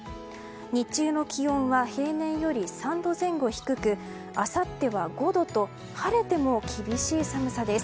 日中の気温は平年より３度前後低くあさっては５度と晴れても厳しい寒さです。